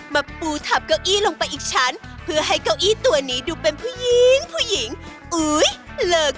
ขั้นตอนต่อไปแม่บ้านไอซ์ก็จัดการเอาโผล่มขนมุ้งมิ้งฟรุ้งฟริ้ง